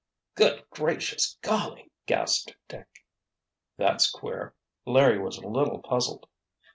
"Good gracious golly!" gasped Dick. "That's queer!" Larry was a little puzzled.